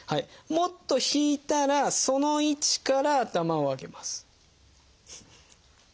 もっと引いたらその位置から頭を上げます。